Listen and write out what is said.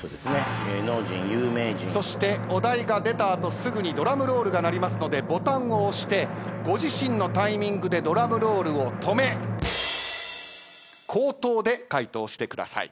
そしてお題が出た後すぐにドラムロールが鳴りますのでボタンを押してご自身のタイミングでドラムロールを止め口頭で回答してください。